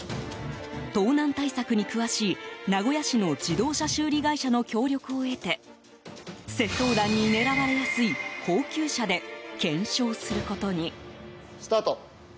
盗難対策に詳しい、名古屋市の自動車修理会社の協力を得て窃盗団に狙われやすい高級車で検証することに。